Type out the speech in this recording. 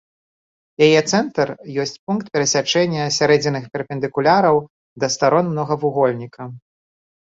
Яе цэнтр ёсць пункт перасячэння сярэдзінных перпендыкуляраў да старон многавугольніка.